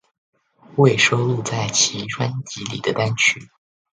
未收录在其专辑里的单曲